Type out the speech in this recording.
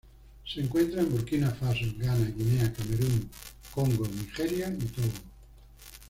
Se encuentra en Burkina Faso, Ghana, Guinea, Camerún, Congo, Nigeria y Togo.